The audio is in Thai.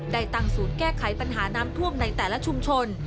ได้ตั้งศูนย์แก้ไขปัญหาน้ำท่วมในแต่ละชุมชน